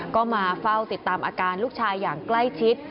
ก็มาเฝ้าติดตามอาการลูกชายอย่างใกล้ชิด